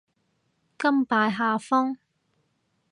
甘拜下風